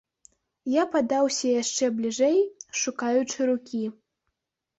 Я падаўся яшчэ бліжэй, шукаючы рукі.